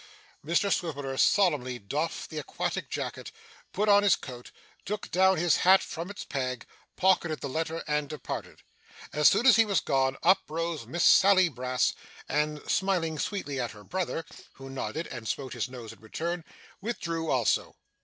Mr Swiveller solemnly doffed the aquatic jacket, put on his coat, took down his hat from its peg, pocketed the letter, and departed. As soon as he was gone, up rose Miss Sally Brass, and smiling sweetly at her brother (who nodded and smote his nose in return) withdrew also.